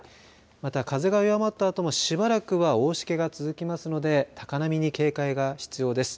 また、風が弱まったあともしばらくは大しけが続きますので高波に警戒が必要です。